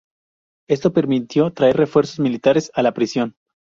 Esto permitió traer refuerzos militares a la prisión.